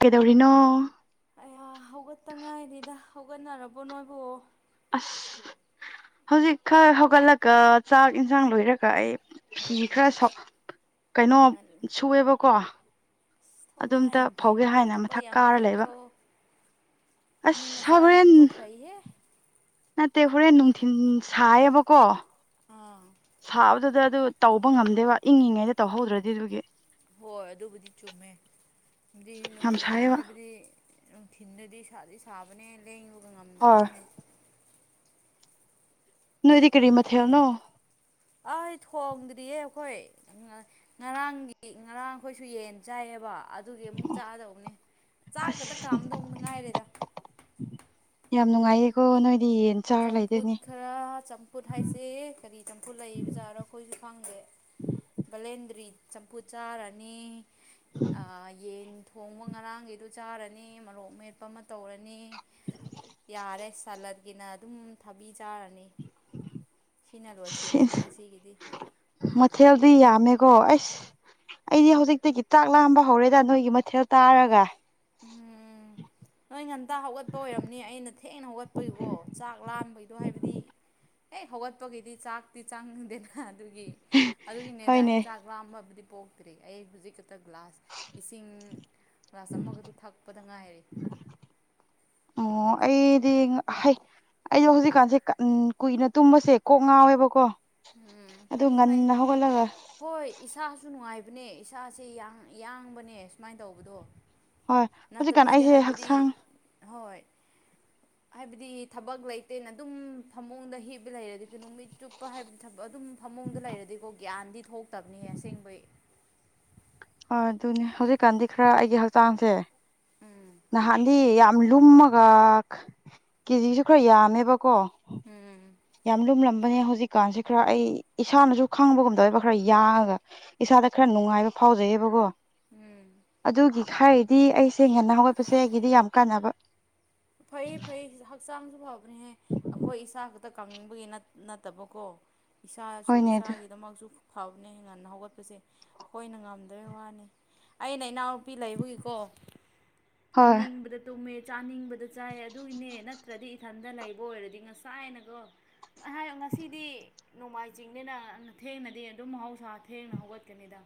ꯀꯦꯗꯧꯔꯤꯅꯣ ꯍꯧꯒꯠꯇꯠꯇꯉꯥꯏꯔꯤꯗ ꯍꯧꯒꯠꯅꯔꯕꯣ ꯅꯣꯏꯕꯨ ꯑꯁ ꯍꯧꯖꯤꯛ ꯈꯔ ꯍꯧꯒꯠꯂꯒ ꯆꯥꯛ ꯏꯟꯁꯥꯡ ꯂꯣꯏꯔꯒ ꯑꯩ ꯐꯤ ꯈꯔ ꯀꯩꯅꯣ ꯁꯨꯑꯦꯕꯀꯣ ꯊꯧꯅ ꯑꯗꯣꯝꯇ ꯑꯌꯥꯝꯝ ꯐꯧꯒꯦ ꯐꯥꯏꯀꯣ ꯍꯥꯏꯅ ꯊꯧꯋꯥ ꯃꯊꯛ ꯌꯥꯝ ꯀꯥꯔ ꯂꯩꯕ ꯐꯩꯀꯣ ꯃꯤ ꯃ ꯑꯁ ꯁꯥꯗꯤ ꯍꯣꯔꯦꯟ ꯊꯕꯧꯈ ꯍꯦ ꯅꯠꯇꯦ ꯍꯣꯔꯦꯟ ꯅꯨꯡꯊꯤꯤꯟ ꯁꯥꯏꯌꯦꯕꯀꯣ ꯑꯥ ꯁꯥꯕꯗꯨꯗ ꯑꯗꯨ ꯇꯧꯕ ꯉꯝꯗꯦꯕ ꯏꯪꯉꯤꯉꯩꯗ ꯇꯧꯍꯧꯗ꯭ꯔꯗꯤ ꯑꯗꯨꯒꯤ ꯍꯣꯏ ꯑꯗꯨꯕꯨꯗꯤ ꯆꯨꯝꯃꯦ ꯗꯤ ꯅꯨꯡ ꯌꯥꯝ ꯅꯨꯡ ꯁꯥꯏꯌꯦꯕ ꯍꯥꯏꯕꯗꯤ ꯅꯨꯡꯊꯤꯟꯗꯗꯤ ꯁꯥꯗꯤ ꯁꯥꯕꯅꯦ ꯂꯦꯡꯉꯨ ꯍꯥꯏ ꯅꯣꯏꯗꯤ ꯀꯔꯤ ꯃꯊꯦꯜꯅꯣ ꯑꯩ ꯊꯣꯡꯗ꯭ꯔꯤꯌꯦ ꯑꯩꯈꯣꯏ ꯉꯔꯥꯡꯒꯤ ꯉꯔꯥꯡ ꯈꯣꯏꯁꯨ ꯌꯦꯟ ꯆꯥꯏꯑꯦꯕ ꯑꯗꯨꯒꯤ ꯑꯃꯨꯛ ꯆꯥꯗꯧꯕꯅꯦ ꯆꯥꯛ ꯈꯠꯇ ꯑꯁ ꯀꯥꯝꯗꯧꯅ ꯉꯥꯏꯔꯦꯗ ꯌꯥꯝ ꯅꯨꯡꯉꯥꯏꯌꯦꯀꯣ ꯅꯣꯏ ꯆꯝꯐꯨꯠ ꯈꯔ ꯆꯝꯐꯨꯠ ꯍꯥꯏꯁꯦ ꯀꯔꯤ ꯆꯝꯐꯨꯠ ꯂꯩꯕꯖꯥꯔꯥ ꯑꯩꯈꯣꯏꯁꯨ ꯈꯪꯗꯦ ꯕꯂꯦꯟꯗ꯭ꯔꯤ ꯆꯝꯐꯨꯠ ꯆꯥꯔꯅꯤ ꯑ ꯌꯦꯟ ꯊꯣꯡꯕ ꯉꯔꯥꯡꯒꯤꯗꯨ ꯆꯥꯔꯅꯤ ꯃꯣꯔꯣꯛ ꯃꯦꯠꯄ ꯑꯃ ꯇꯧꯔꯅꯤ ꯌꯥꯔꯦ ꯁꯥꯂꯗꯒꯤꯅ ꯑꯗꯨꯝ ꯊꯕꯤ ꯆꯥꯔꯅꯤ ꯁꯤꯅ ꯂꯣꯏꯁꯤꯜꯂꯅꯤ ꯉꯁꯤꯒꯤꯗꯤ ꯀꯣ ꯑꯩꯁ ꯑꯩꯗꯤ ꯍꯧꯖꯤꯛꯇꯒꯤ ꯆꯥꯛ ꯂꯥꯝꯕ ꯍꯧꯔꯦꯗ ꯅꯣꯏꯒꯤ ꯃꯊꯦꯜ ꯇꯥꯔꯒ ꯎꯝ ꯅꯣꯏ ꯉꯟꯇ ꯍꯧꯒꯠꯄ ꯑꯣꯏꯔꯝꯅꯤ ꯑꯩꯅ ꯊꯦꯡꯅ ꯍꯧꯒꯠꯄꯩꯒꯣ ꯆꯥꯛ ꯂꯥꯝꯕꯩꯗꯣ ꯍꯥꯏꯕꯗꯤ ꯍꯦ ꯍꯧꯒꯠꯄꯒꯗꯤ ꯆꯥꯛ ꯇꯤ ꯆꯪꯗꯦꯅ ꯑꯗꯨꯒꯤ ꯑꯗꯨꯒꯤꯅꯦꯗ ꯑꯩ ꯍꯣꯏꯅꯦ ꯆꯥꯛ ꯂꯥꯝꯃꯕꯨꯗꯤ ꯄꯣꯛꯇ꯭ꯔꯤ ꯑꯩ ꯍꯨꯖꯤꯛ ꯇꯒ꯭ꯂꯥꯁ ꯏꯁꯤꯡ ꯒ꯭ꯂꯥꯁ ꯑꯃꯒꯇꯨ ꯄꯗ ꯉꯥꯏꯔꯤ ꯑꯣ ꯑꯩꯗꯤ ꯉ ꯍꯩ ꯑꯩꯗꯣ ꯍꯧꯖꯤꯛꯀꯥꯟꯁꯦ ꯀ ꯀꯨꯏꯅ ꯇꯨꯝꯕꯁꯦ ꯀꯣꯛ ꯉꯥꯎꯋꯦꯕꯀꯣ ꯎꯝ ꯑꯗꯨ ꯐꯩ ꯐꯩ ꯉꯟꯅ ꯍꯧꯒꯠꯂꯒ ꯍꯣꯏ ꯏꯁꯥꯁꯨ ꯅꯨꯡꯉꯥꯏ ꯕꯅꯦ ꯏꯁꯥꯁꯦ ꯌꯥꯡ ꯌꯥꯡꯕꯅꯦ ꯁꯨꯃꯥꯏꯅ ꯇꯧꯕꯗꯣ ꯑꯥꯏ ꯍꯧꯖꯤꯛꯀꯥꯟ ꯅꯠꯇꯕꯤꯗ ꯑꯩꯁꯦ ꯍꯥꯏꯕꯗꯤ ꯍꯛꯁꯥꯡ ꯍꯣꯏ ꯍꯥꯏꯕꯗꯤ ꯊꯕꯛ ꯂꯩꯇꯦꯅ ꯑꯗꯨꯝ ꯐꯃꯨꯡꯗ ꯍꯤꯕ ꯂꯩꯔꯗꯤ [unintelligible] ꯅꯨꯃꯤꯠ ꯆꯨꯞꯄ ꯍꯥꯏꯕ ꯊꯕꯛ ꯑꯗꯨꯝ ꯐꯃꯨꯡꯗ ꯂꯩꯔꯗꯤꯀꯣ ꯒ꯭ꯌꯥꯟꯗꯤ ꯊꯣꯛꯇꯕꯅꯤꯍꯦ ꯑꯁꯦꯡꯕꯩ ꯑꯗꯨꯅꯦ ꯍꯧꯖꯤꯛꯀꯥꯟꯗꯤ ꯈꯔ ꯑꯩꯒꯤ ꯍꯛꯆꯥꯡꯁꯦ ꯅꯍꯥꯟꯗꯤ ꯌꯥꯝ ꯂꯨꯝꯃꯒ ꯀꯦꯖꯤꯁꯨ ꯈꯔ ꯌꯥꯝꯃꯦꯕ ꯀꯣ ꯎꯝ ꯌꯥꯝ ꯂꯨꯝꯂꯝꯕꯅꯦ ꯍꯧꯖꯤꯛꯀꯥꯟꯁꯦ ꯈꯔ ꯑꯩ ꯏꯁꯥꯅꯁꯨ ꯈꯪꯕꯒꯨꯝ ꯇꯧꯋꯦꯕ ꯈꯔ ꯌꯥꯡꯉꯒ ꯏꯁꯥꯗ ꯈꯔ ꯅꯨꯡꯉꯥꯏꯕ ꯐꯥꯎꯖꯩꯌꯦꯕꯀꯣ ꯑꯗꯨꯒꯤ ꯈꯥꯏꯔꯗꯤ ꯑꯩꯁꯦ ꯉꯟꯅ ꯍꯧꯒꯠꯄꯁꯦ ꯑꯩꯒꯤꯗꯤ ꯌꯥꯝ ꯀꯥꯟꯅꯕ ꯐꯩꯌꯦ ꯐꯩ ꯍꯛꯆꯥꯡꯁꯨ ꯐꯕ ꯍꯦ ꯑꯩꯈꯣꯏ ꯏꯁꯥ ꯈꯛꯇ ꯀꯪꯕꯒꯤ ꯅꯠꯇꯕꯀꯣ ꯏꯁꯥꯁꯨ ꯍꯣꯏꯅꯦ ꯑꯗꯨ ꯏꯁꯥꯒꯤꯗꯃꯛꯁꯨ ꯐꯕꯅꯦ ꯉꯟꯅ ꯍꯧꯒꯠꯄꯁꯦ ꯑꯩꯈꯣꯏꯅ ꯉꯝꯗꯕꯩ ꯋꯥꯅꯤ ꯑꯩꯅ ꯏꯅꯥꯎ ꯄꯤ ꯂꯩꯕꯒꯤꯀꯣ ꯍꯣꯏ ꯇꯨꯝꯅꯤꯡꯕꯗ ꯇꯨꯝꯃꯦ ꯆꯥꯅꯤꯡꯕꯗ ꯆꯥꯏ ꯑꯗꯨꯏꯅꯦ ꯅꯠꯇ꯭ꯔꯗꯤ ꯏꯊꯟꯗ ꯂꯩꯕ ꯑꯣꯏꯔꯗꯤ ꯉꯁꯥꯏꯅꯀꯣ ꯉꯍꯥꯏ ꯉꯁꯤꯗꯤ ꯅꯣꯡꯃꯥꯏꯆꯤꯡꯅꯤꯅ ꯊꯦꯡꯅꯗꯤ ꯑꯗꯨꯝ ꯃꯍꯧꯁꯥ ꯊꯦꯡꯅ ꯍꯧꯒꯠꯀꯅꯤꯗ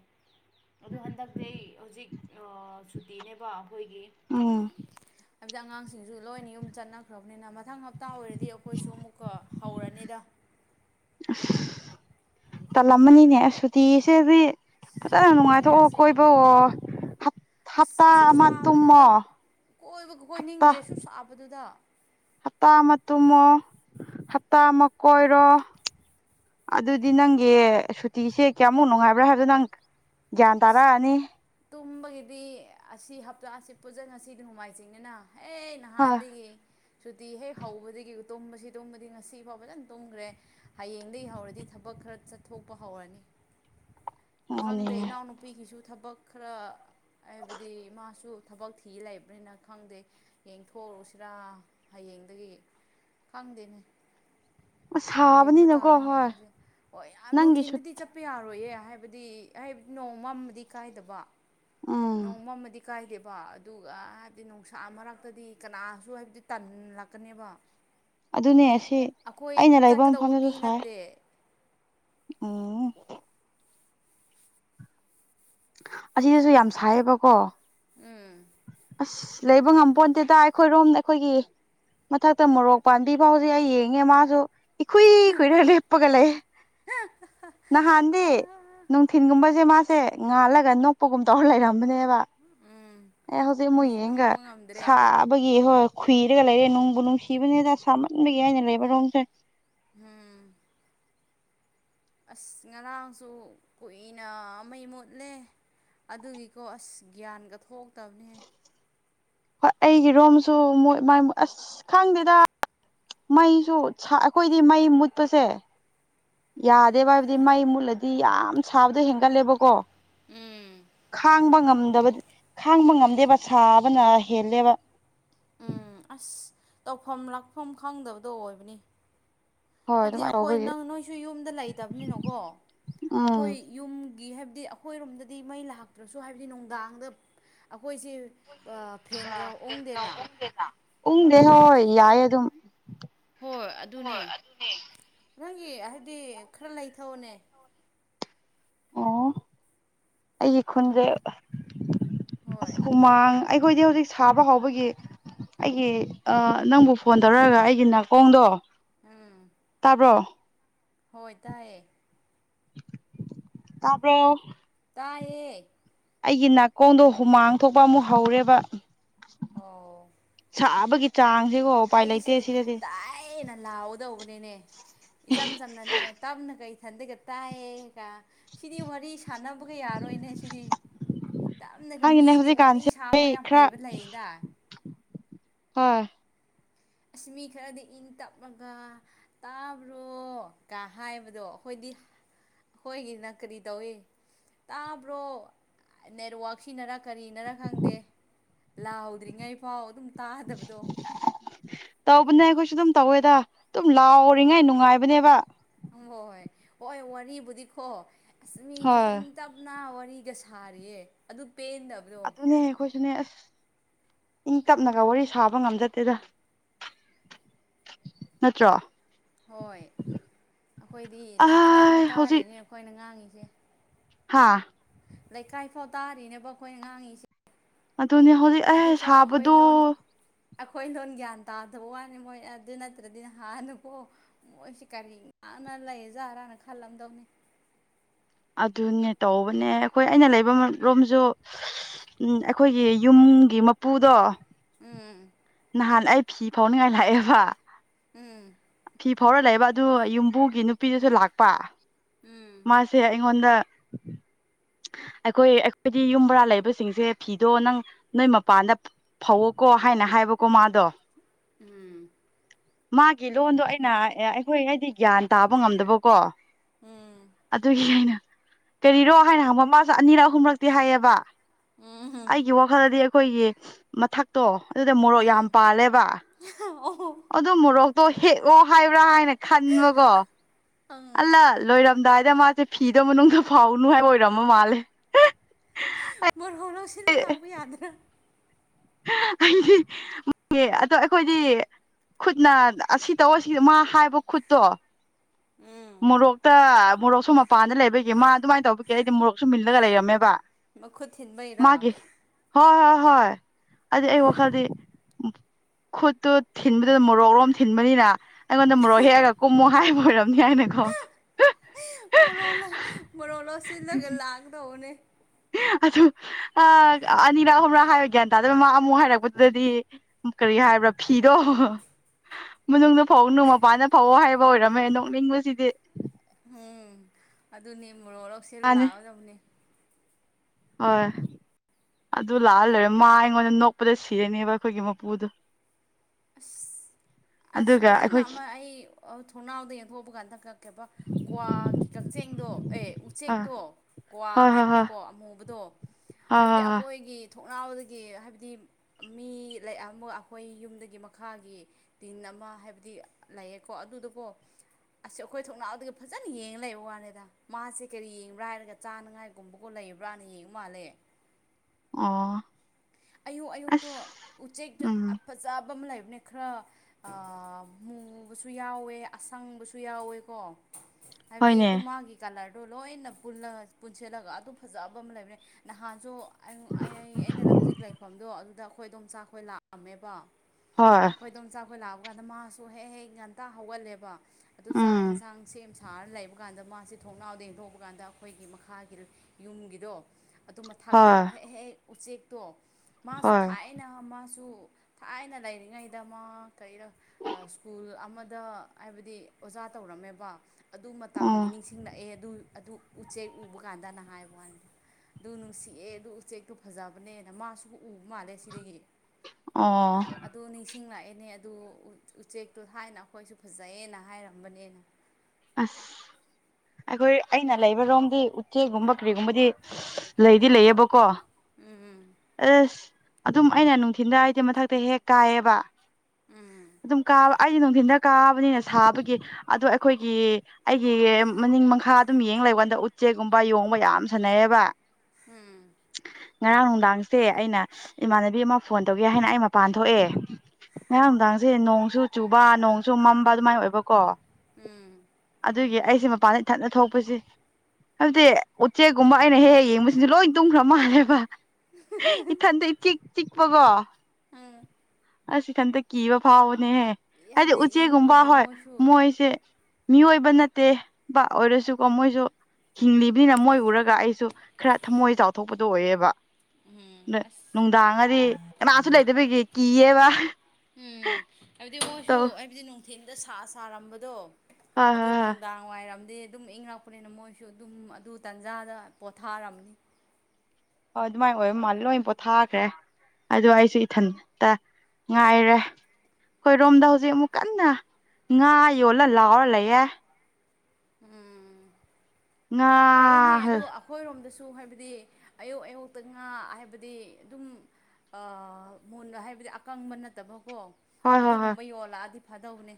ꯑꯗꯨ ꯍꯟꯗꯛꯗꯤ ꯑꯩ ꯍꯧꯖꯤꯛ ꯑ ꯁꯨꯇꯤꯅꯦꯕ ꯑꯩꯈꯣꯏꯒꯤ ꯎꯝ ꯍꯥꯏꯕꯗꯤ ꯑꯉꯥꯡꯁꯤꯡꯁꯨ ꯂꯣꯏꯅ ꯌꯨꯝ ꯆꯠꯅꯈ꯭ꯔꯕꯅꯤꯅ ꯃꯊꯪ ꯍꯞꯇꯥ ꯑꯣꯏꯔꯕꯗꯤ ꯑꯩꯈꯣꯏꯁꯨ ꯑꯃꯨꯛꯀ ꯍꯧꯔꯅꯤꯗ ꯑꯁ ꯇꯜꯂꯝꯃꯅꯤꯅꯦ ꯁꯨꯇꯤꯁꯤꯗꯤ ꯑꯁ ꯐꯖꯥꯅ ꯇꯜꯂꯦ ꯅꯨꯡꯉꯥꯏꯊꯣꯛꯑꯣ ꯑꯁꯦꯡꯕꯩ ꯀꯣꯏꯕꯑꯣ ꯑꯁ ꯑꯁꯨꯛ ꯁꯥꯕꯗꯨꯗ ꯀꯣꯏꯕꯒ ꯍꯞꯇꯥ ꯀꯣꯏꯅꯤꯡꯗꯦ ꯑꯁꯨꯛ ꯁꯥꯕꯗꯨꯗ ꯍꯞꯇꯥ ꯑꯃ ꯇꯨꯝꯃꯣ ꯍꯞꯇꯥ ꯑꯃ ꯀꯣꯏꯔꯣ ꯑꯗꯨꯗꯤ ꯅꯪꯒꯤ ꯁꯨꯇꯤꯁꯦ ꯀꯌꯥꯃꯨꯛ ꯅꯨꯡꯉꯥꯏꯕ꯭ꯔꯥ ꯍꯥꯏꯕꯗꯣ ꯅꯪ ꯒ꯭ꯌꯥꯟ ꯑꯁ ꯇꯥꯔꯅꯤ ꯇꯨꯝꯕꯒꯤꯗꯤ ꯑꯁꯤ ꯍꯞꯇꯥ ꯑꯁꯤ ꯄꯨꯖ ꯉꯁꯤꯗꯤ ꯅꯣꯡꯃꯥꯏꯖꯤꯡꯅꯤꯅ ꯍꯦ ꯍꯣꯏ ꯅꯍꯥꯟꯗꯒꯤ ꯁꯨꯇꯤ ꯍꯦꯛ ꯍꯧꯕꯗꯒꯤ ꯇꯨꯝꯕꯁꯤ ꯇꯨꯝꯕꯗꯤ ꯉꯁꯤꯐꯥꯎ ꯐꯖꯅ ꯇꯨꯝꯈ꯭ꯔꯦ ꯍꯌꯦꯡꯗꯒꯤ ꯍꯧꯔꯗꯤ ꯊꯕꯛ ꯈꯔ ꯆꯠꯊꯣꯛꯄ ꯍꯧꯔꯅꯤ ꯑꯣꯅꯦ ꯑꯈꯪꯗꯩ ꯏꯅꯥꯎꯅꯨꯄꯤꯒꯤꯁꯨ ꯊꯕꯛ ꯈꯔ ꯍꯥꯏꯕꯗꯤ ꯃꯥꯁꯨ ꯊꯕꯛ ꯊꯤ ꯂꯩꯕꯅꯤꯅ ꯈꯪꯗꯦ ꯌꯦꯡꯊꯣꯛꯎꯔꯨꯁꯤꯔꯥ ꯍꯌꯦꯡ ꯦꯡꯗꯒꯤ ꯈꯪꯗꯦꯅꯤ ꯌꯦꯡꯕ ꯁꯥꯕꯅꯤꯅꯀꯣ ꯇꯥꯔꯦ ꯍꯣꯏ ꯍꯌꯦꯡꯁꯦ ꯍ ꯌꯥꯝ ꯅꯪꯒꯤꯁꯨ ꯅꯨꯡꯊꯤꯟꯗꯗꯤ ꯆꯠꯄ ꯌꯥꯔꯣꯏꯌꯦ ꯎꯝ ꯀ ꯏ ꯀꯥꯏꯗꯦꯕ ꯑꯗꯨꯒ ꯍꯥꯏꯕꯗꯤ ꯅꯨꯡꯁꯥ ꯃꯔꯛꯇꯗꯤ ꯀꯅꯥꯁꯨ ꯍꯥꯏꯕꯗꯤ ꯇꯟꯂꯛꯀꯅꯦꯕ ꯑꯗꯨꯅꯦ ꯑꯁꯤ ꯑꯩꯅ ꯂꯩꯕ ꯆꯠꯀꯗꯧꯕ ꯃꯤ ꯃꯐꯝꯗꯨꯁꯨ ꯁꯥꯏ ꯅꯠꯇꯦ ꯑꯥ ꯑꯁꯤꯗꯁꯨ ꯌꯥꯝ ꯁꯥꯏꯌꯦꯕꯀꯣ ꯑ ꯂꯩꯕ ꯉꯝꯄꯣꯟꯗꯦꯗ ꯑꯩꯈꯣꯏꯔꯣꯝꯗ ꯑꯩꯈꯣꯏꯒꯤ ꯃꯊꯛꯇ ꯃꯣꯔꯣꯛ ꯄꯥꯝꯕꯤ ꯐꯥꯎꯖꯤꯛ ꯑꯩ ꯌꯦꯡꯉꯦ ꯃꯥꯁꯨ ꯏꯈꯨꯏ ꯈꯨꯏꯔꯞ ꯄꯒ ꯂꯩꯦ ꯅꯍꯥꯟꯗꯤ ꯅꯨꯡꯊꯤꯟꯒꯨꯝꯕꯁꯦ ꯃꯥ ꯁꯦ ꯉꯥꯜꯂꯒ ꯅꯣꯛꯄꯒꯨꯝ ꯇꯧꯔ ꯂꯩꯔꯝꯕꯅꯦꯕ ꯑꯦ ꯍꯧꯖꯤꯛ ꯅꯨꯃꯤꯠꯁꯨ ꯃꯨꯛꯌꯦꯡꯒ ꯅꯣꯛꯄ ꯉꯝꯗ꯭ꯔꯦ ꯁꯥꯕꯒꯤ ꯍꯣꯏ ꯈꯨꯨꯏꯔꯒ ꯂꯩꯔꯦ ꯅꯅꯨꯡꯕꯨ ꯅꯨꯡꯁꯤꯕꯅꯦꯗ ꯁꯥꯃꯟꯕꯒꯤꯦ ꯍꯥꯏꯅ ꯂꯩꯕꯔꯣꯝꯁꯦ ꯎꯝ ꯑꯁ ꯉꯔꯥꯡꯁꯨ ꯀꯨꯏꯅ ꯃꯩ ꯃꯨꯠꯂꯦ ꯑꯗꯨꯒꯤꯀꯣ ꯑꯁ ꯒ꯭ꯌꯥꯟꯒ ꯊꯣꯛꯂꯛꯇꯕꯅꯦ ꯍꯣꯏ ꯑꯩꯒꯤ ꯔꯣꯝꯁꯨ ꯃꯣꯏ ꯃꯥꯏ ꯑꯁ ꯈꯪꯗꯦꯗ ꯃꯩꯁꯨ ꯑꯩꯈꯣꯏꯗꯤ ꯃꯩ ꯃꯨꯠꯄꯁꯦ ꯌꯥꯗꯦꯕ ꯍꯥꯏꯕꯗꯤ ꯃꯩ ꯃꯨꯠꯂꯗꯤ ꯌꯥꯝ ꯁꯥꯕꯗꯣ ꯍꯦꯟꯒꯠꯂꯦꯕꯀꯣ ꯎꯝ ꯈꯥꯡꯕ ꯉꯝ ꯉꯗꯕꯗꯤ ꯈꯥꯡꯕ ꯉꯝꯗꯦꯕ ꯁꯥꯕꯅ ꯍꯦꯜꯂꯦꯕ ꯎꯝ ꯑꯁ ꯇꯧꯐꯝ ꯂꯥꯛꯐꯝ ꯈꯪꯗꯕꯗꯣ ꯑꯣꯏꯕꯅꯤ ꯍꯣꯏ ꯍꯥꯏꯕꯗꯤ ꯑꯗꯨꯃꯥꯏꯅ ꯑꯩꯈꯣꯏ ꯇꯧꯕꯒꯤ ꯅꯪ ꯅꯣꯏꯁꯨ ꯌꯨꯝꯗ ꯂꯩꯇꯕꯅꯤꯅꯣꯀꯣ ꯑꯩꯈꯣꯏ ꯎꯝ ꯌꯨꯝ ꯒꯤ ꯍꯥꯏꯕꯗꯤ ꯑꯩꯈꯣꯏꯔꯣꯝꯗꯗꯤ ꯃꯩ ꯂꯥꯛꯇ꯭ꯔꯁꯨ ꯍꯥꯏꯕꯗꯤ ꯅꯨꯡꯗꯥꯡꯗ ꯑꯩꯈꯣꯏꯁꯦ ꯐꯦꯟꯒ ꯑꯣꯡꯗꯦꯅ ꯎꯪꯅꯦꯦ ꯍꯣꯏ ꯌꯥꯏ ꯑꯗꯨꯝ ꯍꯣꯏ ꯑꯗꯨꯅꯦ ꯅꯪꯒꯤ ꯍꯥꯏꯗꯤ ꯈꯔ ꯂꯩꯊꯑꯣꯅꯦ ꯑꯣ ꯑꯩꯒꯤ ꯈꯨꯟꯁꯦ ꯍꯣꯏ ꯑꯁꯨꯃꯥꯡ ꯑꯩꯈꯣꯏꯗꯤ ꯍꯧꯖꯤꯛ ꯁꯥꯕ ꯍꯧꯕꯒꯤ ꯑꯩꯒꯤ ꯅꯪꯕꯨ ꯐꯣꯟ ꯇꯧꯔꯛꯒ ꯑꯩꯒꯤ ꯅꯥꯀꯣꯡꯗꯣ ꯇꯥꯔꯕ꯭ꯔꯣ ꯍꯣꯏ ꯇꯥꯏꯌꯦ ꯇꯄꯔ ꯇꯏꯌꯦ ꯑꯩꯒꯤ ꯅꯥꯀꯣꯡꯗꯣ ꯍꯨꯃꯥꯡ ꯊꯣꯛꯄ ꯑꯃꯨꯛ ꯍꯧꯔꯦꯕ ꯑꯣ ꯁꯥꯕꯒꯤ ꯆꯥꯡꯁꯤꯀꯣ ꯎꯄꯥꯏ ꯑꯩꯁꯦ ꯂꯩꯇꯦ ꯁꯤꯗꯗꯤ ꯇꯥꯏꯅ ꯂꯥꯛꯑꯣꯗꯧꯕꯅꯤ ꯅꯦ ꯏꯆꯝ ꯆꯝꯅ ꯇꯞꯅ ꯀ ꯏꯊꯟꯗꯒ ꯇꯥꯏ ꯁꯤꯗꯤ ꯋꯥꯔꯤ ꯁꯥꯟꯅꯕꯒ ꯌꯥꯔꯣꯏꯅꯦ ꯁꯤꯗꯤ ꯇꯞꯅꯒ ꯈꯪꯉꯤꯅꯦ ꯃꯤꯗꯤ ꯋꯥꯔꯤ ꯍꯧꯖꯤꯛꯀꯥꯟꯁꯦ ꯁꯥꯕ ꯑꯩ ꯌꯥꯝ ꯈꯔ ꯍꯩꯕ ꯂꯩꯅꯦ ꯑ ꯑꯁ ꯃꯤ ꯈꯔꯗꯤ ꯏꯪ ꯇꯞꯂꯒ ꯇꯥꯕ꯭ꯔꯣꯒ ꯍꯥꯏꯕꯗꯣ ꯑꯩꯈꯣꯏꯗꯤ ꯍ ꯍꯣꯏꯒꯤꯅ ꯀꯔꯤ ꯇꯧꯏ ꯇꯥꯕ꯭ꯔꯣ ꯅꯦꯠꯋꯥꯛ ꯁꯤꯅꯔꯛ ꯀꯔꯤꯅꯔ ꯈꯪꯗꯦ ꯂꯥꯍꯧꯗ꯭ꯔꯤꯉꯩꯐꯥꯎ ꯑꯗꯨꯝ ꯇꯥꯗꯕꯗꯣ ꯇꯧꯕꯅꯦ ꯑꯩꯈꯣꯏꯁꯨ ꯑꯗꯨꯝ ꯇꯧꯋꯦꯗ ꯑꯗꯨꯝ ꯂꯥꯎꯔꯤꯉꯥꯏ ꯅꯨꯡꯉꯥꯏꯕꯅꯦꯕ ꯍꯪ ꯍꯣꯏ ꯍꯣꯏ ꯍꯣꯏ ꯋꯥꯔꯤꯕꯨꯗꯤꯈꯣ ꯑꯁ ꯃꯤꯗꯤ ꯍꯣꯏ ꯏꯪ ꯇꯞꯅ ꯋꯥꯔꯤ ꯒ ꯁꯥꯔꯤꯌꯦ ꯑꯗꯨ ꯄꯦꯟꯗꯕꯗꯣ ꯑꯗꯨꯅꯦ ꯑꯩꯈꯣꯏꯁꯨꯅꯦ ꯑꯁ ꯏꯪ ꯇꯞꯅꯒ ꯋꯥꯔꯤ ꯁꯥꯕ ꯉꯝꯖꯗꯦꯗ ꯅꯠꯇ꯭ꯔꯣ ꯍꯣꯏ ꯑꯩꯈꯣꯏꯗꯤ ꯑ ꯂꯩꯀꯥꯏꯐꯥꯎ ꯇꯥꯔꯤꯅꯦ ꯑꯩꯈꯣꯏꯅ ꯉꯥꯡꯉꯤꯁꯦ ꯍꯥꯥ ꯂꯩꯀꯥꯏꯐꯥꯎ ꯇꯥꯔꯤꯅꯦꯕ ꯑꯩꯈꯣꯏꯅ ꯉꯥꯡꯉꯤꯁꯦ ꯑꯗꯨꯅꯦ ꯍꯧꯖꯤꯛ ꯑꯩ ꯑꯗꯨꯐꯥꯎ ꯑꯩꯈꯣꯏ ꯁꯥꯕꯗꯣ ꯂꯣꯟ ꯑꯩꯈꯣꯏ ꯂꯣꯟ ꯒ꯭ꯌꯥꯟ ꯇꯥꯗꯕ ꯋꯥꯅꯤ ꯃꯣꯏ ꯑꯗꯨ ꯅꯠꯇ꯭ꯔꯗꯤ ꯍꯥꯟꯅꯀꯣ ꯃꯣꯏꯁꯤ ꯀꯔꯤ ꯑꯥꯟꯅꯥ ꯂꯩꯖꯥꯔꯥꯅ ꯈꯜꯂꯝꯗꯧꯅꯤ ꯑꯗꯨꯅꯦ ꯇꯧꯕꯅꯦ ꯑꯩꯈꯣꯏ ꯑꯩꯅ ꯂꯩꯕ ꯔꯣꯝꯁꯨ ꯎꯝ ꯑꯩꯈꯣꯏꯒꯤ ꯌꯨꯝꯒꯤ ꯒꯤ ꯃꯄꯨꯗꯣ ꯎꯝ ꯅꯍꯥꯟ ꯑꯩ ꯐꯤ ꯐꯥꯎꯅꯤꯡꯉꯥꯏ ꯂꯥꯛꯑꯦꯕ ꯎꯝ ꯐꯤ ꯐꯥꯎꯔ ꯂꯩꯕ ꯑꯗꯨ ꯌꯨꯝꯕꯨꯒꯤ ꯅꯨꯄꯤꯗꯨꯁꯨ ꯂꯥꯛꯄ ꯎꯝ ꯃꯥꯁꯦ ꯑꯩꯉꫭꯟꯗ ꯑꯩꯈꯣꯏ ꯑꯩꯈꯣꯏꯗꯤ ꯌꯨꯝꯕ‍꯭ꯔ ꯂꯩꯕꯁꯤꯡꯁꯦ ꯐꯤꯗꯣ ꯅꯪ ꯅꯣꯏ ꯃꯄꯥꯟꯗ ꯐꯧꯑꫭ ꯀꯣ ꯍꯥꯏꯅ ꯍꯥꯏꯕꯀꯣ ꯃꯥꯗꯣ ꯎꯝ ꯃꯥꯒꯤ ꯂꯣꯟꯗꯣ ꯑꯩꯅ ꯑꯩꯈꯣꯏ ꯑꯩꯗꯤ ꯒ꯭ꯌꯥꯟ ꯇꯥꯕ ꯉꯝꯗꯕꯀꯣ ꯎꯝ ꯑꯗꯨꯒꯤ ꯑ‌ꯩꯅ ꯀꯔꯤꯔꯣ ꯍꯥꯏꯅ ꯍꯪꯕ ꯃꯥꯁꯨ ꯑꯅꯤꯔꯛ ꯑꯍꯨꯝꯂꯛꯇꯤ ꯍꯥꯏꯌꯦꯕ ꯎꯝ ꯎꯝ ꯑꯩꯒꯤ ꯋꯥꯈꯜꯗꯗꯤ ꯑꯩꯈꯣꯏꯒꯤ ꯃꯊꯛꯇꯣ ꯑꯗꯨꯗ ꯃꯣꯔꯣꯛ ꯌꯥꯝ ꯎꯝ ꯄꯥꯜꯂꯦꯕ ꯑꯣ ꯑꯗꯨ ꯃꯣꯔꯣꯛꯇꯣ ꯍꯦꯛꯑꯣ ꯍꯥꯏꯕ꯭ꯔꯥ ꯍꯥꯏꯅ ꯈꯟꯕꯀꯣ ꯑꯪ ꯑꯜꯂ ꯂꯣꯏꯔꯝꯗꯥꯏꯗ ꯃꯥꯁꯦ ꯐꯤꯗꯣ ꯃꯅꯨꯡꯗ ꯐꯥꯎꯅꯨ ꯍꯥꯏꯕ ꯑꯣꯏꯔꯝꯕ ꯃꯥꯜꯂꯦ ꯃꯣꯔꯍꯣꯛ ꯂꯧꯁꯤꯜ ꯂꯧꯕ ꯌꯥꯗ꯭ꯔꫭ ꯑꯩꯗꯤ ꯑꯗꯣ ꯑꯩꯈꯣꯏꯗꯤ ꯈꯨꯠꯅ ꯑꯁꯤ ꯇꯧ ꯑꯁꯤ ꯃꯥ ꯍꯥꯏꯕ ꯈꯨꯠꯇꯣ ꯎꯝ ꯃꯣꯔꯣꯛꯇ ꯃꯣꯔꯣꯛꯁꯨ ꯃꯄꯥꯟꯗ ꯂꯩꯕꯒꯤ ꯃꯥ ꯑꯗꯨꯃꯥꯏꯅ ꯇꯧꯕꯒꯤ ꯑꯩꯗꯤ ꯃꯣꯔꯣꯛꯁꯨ ꯃꯤꯜꯂꯒ ꯂꯩꯔꯝꯃꯦꯕ ꯃꯈꯨꯠ ꯊꯤꯟꯕꯩꯔꯥ ꯃꯥꯒꯤ ꯍꯣꯏ ꯍꯣꯏ ꯍꯣꯏ ꯍꯥꯏꯗꯤ ꯑꯩ ꯋꯥꯈꯜꯗꯤ ꯈꯨꯠꯇꯨ ꯊꯤꯟꯕꯗꯨꯗ ꯃꯣꯔꯣꯛꯂꯣꯝ ꯊꯤꯟꯕꯅꯤꯅ ꯑꯩꯉꯣꯟꯗ ꯃꫭꯔꫭꯛ ꯍ‌ꯦꯛꯑꯒ ꯀꯨꯝꯃꯨ ꯍꯥꯏ ꯃꯣꯔꫭꯛꯂꯥ ꯃꯣꯔꯣꯂꯣ ꯁꯤꯜꯂꯒ ꯂꯥꯛꯀꯩ ꯇꯧꯕꯅꯦ ꯑꯗꯨ ꯑ ꯑꯅꯤꯔꯛ ꯑꯍꯨꯝꯂꯛ ꯍꯥꯏꯌ‌ꯦ ꯒ꯭ꯌꯥꯟ ꯇꯥꯗꯕ ꯃꯥ ꯑꯃꯨꯛ ꯍꯥꯏꯔꯛꯄꯗꯨꯗꯗꯤ ꯀꯔꯤ ꯀꯔꯤ ꯍꯥꯏꯕ꯭ꯔꯥ ꯐꯤꯗꫭ ꯃꯅꯨꯡꯗ ꯐꯧꯅꯨ ꯃꯄꯥꯟꯗ ꯐꯧꯑꯣ ꯍꯥꯏꯕ ꯑꯣꯏꯔꯝꯃꯦ ꯅꯣꯛꯅꯤꯡꯕꯁꯤꯗꯤ ꯎꯝ ꯑꯗꯨꯅꯤ ꯃꯣꯔꯣꯛ ꯂꯧꯁꯤꯜ ꯂꯥꯛꯑꯗꯕꯅꯤ ꯑꫭꯏ ꯑꯗꯨ ꯂꯥꯛꯑ ꯂꯩꯏꯔꯝ ꯃꯥ ꯑꯩꯉꯣꯟꯗ ꯅꯣꯛꯄꯗ ꯁꯤꯅꯦꯕ ꯑꯩꯈꯣꯏꯒꯤ ꯃꯄꯨꯗꯣ ꯑꯁ ꯑꯁ ꯑꯗꯨꯒ ꯐꯖꯅ ꯑꯩꯈꯣꯏꯒꯤ ꯑꯃ ꯑꯩ ꯊꯣꯡꯅꯥꯎꯗ ꯌꯦꯟꯊꯣꯛꯄ ꯀꯥꯟꯗ ꯀꯥꯀꯦꯕ ꯀ꯭ꯋꯥꯒꯤ ꯀꯛꯆ‌ꯦꯡꯗꯣ ꯑꯦ ꯑꯥ ꯎꯆꯦꯛꯇꯣ ꯀ꯭ꯋꯥ ꯍꯣꯏ ꯍꯣꯏ ꯍꯣꯏ ꯍꯥꯏꯕꯅꯤꯀꯣ ꯑꯃꯨꯕꯗꯣ ꯍꯣꯏ ꯍꯥꯏꯕꯗꯤ ꯍꯣꯏ ꯍꯣꯏ ꯑꯩꯈꯣꯏꯒꯤ ꯊꯣꯡꯅꯥꯎꯗꯒꯤ ꯍꯥꯏꯕꯗꯤ ꯃꯤ ꯂꯩ ꯑꯃ ꯑꯩꯈꯣꯏ ꯌꯨꯝꯗꯒꯤ ꯃꯈꯥꯒꯤ ꯇꯤꯟ ꯑꯃ ꯍꯥꯏꯕꯗꯤ ꯂꯩꯌꯦꯀꯣ ꯑꯗꯨ ꯑꯁ ꯑꯩꯈꯣꯏ ꯊꯣꯡꯅꯥꯎꯗꯒ ꯐꯖꯅ ꯌꯦꯡꯉ ꯂꯩꯕ ꯋꯥꯅꯤꯗ ꯃꯥꯁꯦ ꯀꯔꯤ ꯌꯦꯡꯕ꯭ꯔꯥ ꯍꯥꯏꯔꯒ ꯆꯥꯅꯉꯥꯏꯒꯨꯝꯕꯀ ꯂꯩ ꯂꯩꯕ꯭ꫪꯥꯅ ꯌ‌ꯦꯡꯕ ꯃꯥꯜꯂ‌ꯦ ꯑꫭ ꯑꯌꯨꯛ ꯑꯌꯨꯛꯇꯣ ꯎꯆꯦꯛ ꯎꯝ ꯑ ꯐꯖꯥꯕ ꯃꯥ ꯂꯩꯕ ꯑꯗꯨꯅꯤ ꯈꯔ ꯃꯨꯕꯁꯨ ꯌꯥꯎꯋꯦ ꯑꯁꯪꯕꯁꯨ ꯌꯥꯎꯋꯦꯀꯣ ꯍꯥꯏꯕꯗꯤ ꯍꯣꯏꯅꯦ ꯑꯗꯨ ꯃꯥꯒꯤ ꯀꯂꯔꯗ ꯑꯗꯨ ꯂꯣꯏꯅ ꯄꯨꯟꯁꯤꯜꯂꯒ ꯑꯗꯨ ꯐꯖꯕ ꯑꯃ ꯂꯩꯕꯅꯦ ꯅꯍꯥꯟꯁꯨ ꯑꯩ ꯑꯩꯅ ꯍꯧꯖꯤꯛ ꯃꯐꯝꯗꯣ ꯑꯗꯨꯗ ꯑꯩꯈꯣꯏ ꯑꯗꯣꯝ ꯆꯥꯛꯈꯣꯏ ꯂꯥꯛꯑꯝꯃꯦꯕ ꯍꯣꯏ ꯑꯩꯈꯣꯏꯗꯣꯝ ꯆꯥꯛ ꯑꯩꯈꯣꯏ ꯂꯥꯛꯑꯄ ꯀꯥꯟꯗ ꯃꯥꯁꯨ ꯍꯦꯛ ꯍꯦꯛ ꯉꯟꯇꯥ ꯍꯧꯒꯜꯂꯦꯕ ꯑꯗꯨ ꯆꯥꯛ ꯎꯝ ꯌꯦꯟꯁꯥꯡ ꯁꯦꯝ ꯊꯔ ꯂꯩꯕ ꯀꯥꯟꯗ ꯃꯥꯁꯤꯦ ꯊꯣꯡꯅꯥꯎꯗ ꯌꯦꯟꯊꯣꯛꯄ ꯀꯥꯟꯗ ꯑꯩꯈꯣꯏꯒꯤ ꯃꯈꯥꯒꯤ ꯌꯨꯝꯒꯤꯗꯣ ꯑꯗꯨ ꯃꯊꯛꯇ ꯍꯣꯏ ꯍꯦꯛ ꯍꯦꯛ ꯍꯦꯛ ꯎꯆꯦꯛꯇꯣ ꯃꯥꯁꯨ ꯍꯣꯏ ꯊꯥꯏꯅ ꯃꯥꯁꯨ ꯑꯥꯏꯅ ꯂꯩꯔꯤꯉꯩꯗ ꯃꯥ ꯀꯩ ꯁ꯭ꯀꯨꯜ ꯑꯃꯗ ꯍꯥꯏꯕꯗꯤ ꯑꯣꯖꯥ ꯇꯧꯔꯝꯃꯦꯕ ꯑꯗꯨ ꯃꯇꯝꯒꯤ ꯎꯝ ꯅꯤꯡꯁꯤꯡꯂꯛꯑꯦ ꯑꯗꯨ ꯑꯗꯨ ꯎ ꯎꯆꯦꯛ ꯎꯕ ꯀꯥꯟꯗꯅ ꯍꯥꯏꯕ ꯋꯥ ꯍꯥꯏꯗ ꯑꯗꯨ ꯅꯨꯡꯁꯤꯑꯦ ꯑꯗꯨ ꯎꯆꯦꯛꯇꯨ ꯐꯖꯕꯅꯦꯅ ꯃꯥꯁꯨ ꯎꯕ ꯃꯥꯜꯂꯦ ꯁꯤꯗꯒꯤ ꯑꯣ ꯑꯗꯣ ꯅꯤꯡꯁꯤꯡꯂꯛꯑꯦ ꯅꯦ ꯑꯗꯨ ꯎꯆꯦꯛꯇꯣ ꯊꯥꯏꯅ ꯑꯩꯈꯣꯏꯁꯨ ꯐꯖꯩꯑꯅ ꯍꯥꯏꯔꯝꯕꯅꯤꯅ ꯑꯁ ꯑꯩꯈꯣꯏ ꯑꯩꯅ ꯂꯩꯕꯔꯣꯝꯗꯤ ꯎꯆꯦꯛꯒꯨꯝꯕ ꯀꯔꯤꯒꯨꯝꯕꯗꯤ ꯂꯩꯗꯤ ꯂꯩꯌꯦꯕꯀꯣ ꯑꯁ ꯑꯗꯨꯝ ꯑꯩꯅ ꯅꯨꯡꯊꯤꯤꯟꯗꯋꯥꯗꯤ ꯃꯊꯛꯇ ꯍꯦꯛ ꯀꯥꯏꯑꯕ ꯑꯗꯨꯝ ꯀꯥꯕ ꯑꯩꯗꯤ ꯅꯨꯡꯊꯤꯟꯗ ꯀꯥꯕꯅꯤꯅ ꯁꯥꯕꯒꯤ ꯑꯗꯣ ꯑꯩꯈꯣꯏ ꯒꯤ ꯑꯩꯒꯤ ꯃꯅꯤꯡ ꯃꯈꯥ ꯑꯗꯨꯝ ꯌꯦꯡ ꯂꯩꯀꯥꯟꯗ ꯎꯆꯦꯛꯒꯨꯝꯕ ꯌꯣꯡꯕ ꯌꯥꯝ ꯁꯥꯟꯅꯩꯌꯦꯕ ꯎꯝ ꯉꯔꯥꯡ ꯅꯨꯡꯗꯥꯡꯁꯦ ꯑꯩꯅ ꯏꯃꯥꯟꯅꯕꯤ ꯑꯃ ꯐꯣꯟ ꯇꯧꯒꯦ ꯍꯥꯏꯅ ꯑꯩ ꯃꯄꯥꯟ ꯊꯣꯛꯑꯦ ꯉꯔꯥꯡ ꯅꯨꯡꯗꯥꯡꯁꯦ ꯅꯣꯡꯁꯨ ꯆꯨꯕ ꯅꯣꯡꯁꯨ ꯃꯝꯕ ꯑꯗꯨꯃꯥꯏꯅ ꯑꯣꯏꯕꯀꯣ ꯎꯝ ꯑꯗꯨꯒꯤ ꯑꯩꯁꯦ ꯃꯄꯥꯟꯗ ꯏ ꯊꯠꯅ ꯊꯣꯛꯄꯁꯤ ꯍꯥꯏꯕꯗꯤ ꯎꯆꯦꯛꯒꯨꯝꯕ ꯑꯩꯅ ꯍꯦꯛ ꯍꯦꯛ ꯌꯦꯡꯕꯁꯤꯡꯁꯨ ꯂꯣꯏ ꯇꯨꯝꯈ꯭ꯔ ꯃꯥꯜꯂꯦꯕ ꯏꯊꯟꯇ ꯏꯆꯤꯛ ꯆꯤꯛꯄꯒꯣ ꯎꯝ ꯑꯁꯤ ꯈꯟꯇ ꯀꯤꯕ ꯐꯥꯎꯕꯅꯦꯍꯦ ꯍꯥꯏꯗꯤ ꯍꯥꯏꯕꯗꯤ ꯎꯆꯦꯛꯒꯨꯝꯕ ꯏꯪꯕꯒꯤ ꯍꯣꯏ ꯃꯣꯏꯁꯨ ꯃꯣꯏꯁꯦ ꯃꯤꯑꯣꯏꯕ ꯅꯠꯇꯦ ꯑꯣꯏꯔꯁꯨꯀꯣ ꯃꯣꯏꯁꯨ ꯍꯤꯡꯂꯤꯕꯅꯤꯅ ꯃꯣꯏ ꯎꯔꯒ ꯑꯩꯁꯨ ꯈꯔ ꯊꯃꯣꯏ ꯆꯥꯎꯊꯣꯛꯄꯗꯨꯣ ꯑꯣꯏꯑꯕ ꯎꯝ ꯑꯁ ꯅꯨꯡꯗꯥꯡꯉꯗꯤ ꯃꯥꯃꯥꯁꯨ ꯂꯩꯗꯕꯤꯒꯤ ꯀꯤꯌꯦꯕ ꯎꯝ ꯍꯥꯏꯕꯗꯤ ꯃꯣꯏꯁꯨ ꯇꯧ ꯍꯥꯏꯕꯗꯤ ꯅꯨꯡꯊꯤꯟꯜꯗ ꯁꯥꯔꯝꯕꯗꯣ ꯍꯣꯏ ꯑꯗꯨ ꯍꯣꯏ ꯍꯣꯏ ꯅꯨꯡꯗꯥꯡ ꯋꯥꯏꯔꯝꯗꯤ ꯑꯗꯨꯝ ꯏꯪꯉꯛꯄꯅꯤꯅ ꯃꯣꯏꯁꯨ ꯑꯗꯨꯝ ꯑꯗꯨ ꯇꯥꯟꯖꯥꯗ ꯄꯣꯊꯥꯔꯝꯃꯅꯤ ꯑꯗꯨꯃꯥꯏꯅ ꯑꯣꯏꯕ ꯃꯥꯜꯂꯦ ꯂꯣꯏ ꯄꯣꯊꯥꯈ꯭ꯔꯦ ꯑꯗꯨ ꯑꯩꯁꯨ ꯏꯊꯟꯇ ꯉꯥꯏꯔꯦ ꯑꯩꯈꯣꯏꯔꯣꯝꯗ ꯍꯧꯖꯤꯛ ꯑꯃꯨꯛ ꯀꯟꯅ ꯉꯥ ꯌꯣꯜꯂ ꯂꯥꯎꯔ ꯂꯩꯌꯦ ꯎꯝ ꯉꯥ ꯍ ꯁꯨ ꯍꯥꯏꯕꯗꯤ ꯑꯌꯣꯛ ꯑꯌꯣꯛꯛꯇ ꯉꯥ ꯍꯥꯏꯕꯗꯤ ꯑꯗꯨꯝ ꯃꯨꯟꯅ ꯍꯥꯏꯕꯗꯤ ꯑꯀꯪꯕ ꯅꯠꯇꯕ ꯀꯣ ꯍꯣꯏ ꯍꯣꯏ ꯑꯗꯨꯒꯨꯝꯕ ꯌꯣꯜꯂꯛꯑꯗꯤ ꯐꯥꯗꯧꯅꯦ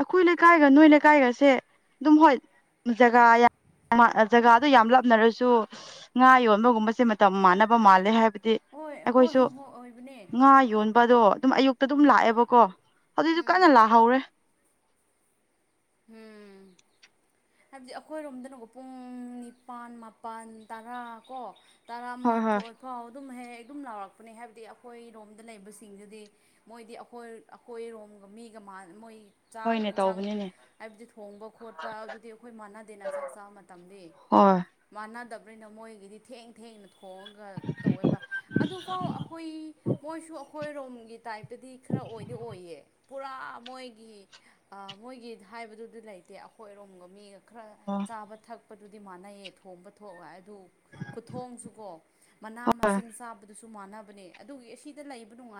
ꯑꯩꯈꯣꯏ ꯂꯩꯀꯥꯏꯒ ꯅꯣꯏ ꯂꯩꯀꯥꯏꯒꯁꯦ ꯑꯗꯨꯝ ꯍꯣꯏ ꯖꯒꯥ ꯖꯒꯥꯗꯨꯣ ꯌꯥꯝ ꯂꯥꯞꯅꯔꯁꯨ ꯉꯥ ꯌꯣꯟꯕꯒꯨꯝꯕꯁꯦ ꯃꯇꯝ ꯃꯥꯟꯅꯕ ꯃꯥꯜꯂꯦ ꯍꯥꯏꯕꯗꯤ ꯍꯣꯏ ꯍꯣꯏ ꯑꯩꯈꯣꯏꯁꯨ ꯍꯣꯏ ꯍꯣꯏ ꯍꯣꯏ ꯉꯥ ꯌꯣꯟꯕꯗꯣ ꯑꯗꯨꯝ ꯑꯌꯨꯛꯇ ꯑꯗꯨꯝ ꯂꯥꯛꯑꯦꯕꯀꯣ ꯍꯧꯖꯤꯛꯇꯁꯨ ꯀꯟꯅ ꯎꯝ ꯂꯥꯛꯍꯧꯔꯦ ꯎꯝ ꯍꯥꯏꯕꯗꯤ ꯑꯩꯈꯣꯏꯔꯣꯝꯗꯅꯀꯣ ꯄꯨꯡ ꯅꯤꯄꯥꯜ ꯃꯥꯄꯜ ꯇꯔꯥ ꯀꯣ ꯍꯣꯏ ꯍꯣꯏ ꯇꯔꯥꯃꯥꯊꯣꯏ ꯐꯥꯎ ꯑꯗꯨꯝ ꯍꯦꯛ ꯑꯗꯨꯝ ꯂꯥꯎꯔꯛꯄꯅꯦ ꯍꯥꯏꯕꯗꯤ ꯑꯩꯈꯣꯏꯔꯣꯝꯗ ꯂꯩꯕꯁꯤꯡꯗꯨꯗꯤ ꯃꯣꯏꯗꯤꯈꯣꯏ ꯑꯩꯈꯣꯏꯔꯣꯝ ꯃꯤꯒ ꯀ ꯃꯣꯏ ꯆꯥꯛ ꯍꯣꯏꯅꯦ ꯌꯦꯟꯁꯥꯡ ꯇꯧꯕꯅꯤꯅꯦ ꯍꯥꯏꯕꯗꯤ ꯊꯣꯡꯕ ꯈꯣꯠꯄ ꯑꯗꯨꯗꯤ ꯑꯩꯈꯣꯏ ꯃꯥꯟꯅꯗꯦꯅ ꯆꯥꯛ ꯆꯥꯕ ꯃꯇꯝꯗꯤ ꯍꯣꯏ ꯃꯥꯟꯅꯗꯕꯅꯤꯅ ꯃꯣꯏꯒꯤꯗꯤ ꯊꯦꯡ ꯊꯦꯡꯅ ꯍꯣꯡꯉꯒ ꯇꯧꯋꯦꯕ ꯑꯗꯨꯐꯥꯎ ꯑꯩꯈꯣꯏ ꯃꯣꯏꯁꯨ ꯑꯩꯈꯣꯏꯔꯣꯝꯒꯤ ꯇꯥꯏꯞꯇꯗꯤ ꯈꯔ ꯑꯣꯏꯗꯤ ꯑꯣꯏꯌꯦ ꯄꯨꯔꯥ ꯃꯣꯏꯒꯤ ꯃꯣꯏꯒꯤ ꯍꯥꯏꯕꯗꯨꯗꯤ ꯂꯩꯇꯦ ꯑꯩꯈꯣꯏ ꯑꯔꯣꯝꯒ ꯃꯤꯒ ꯈꯔ ꯑꯣ ꯆꯥꯕ ꯊꯛꯄꯗꯨꯗꯤ ꯃꯥꯟꯅꯩꯌꯦ ꯊꯣꯡꯕ ꯊꯣꯛ ꯑꯗꯨ ꯈꯨꯊꯣꯡꯁꯨꯀꯣ ꯃꯅꯥ ꯃꯁꯤꯡ ꯆꯥꯕꯗꯨꯁꯨ ꯃꯥꯟꯅꯕꯅꯦ ꯑꯗꯨꯒꯤ ꯑꯁꯤꯗ ꯂꯩꯕ ꯅꯨꯡꯉꯥꯏ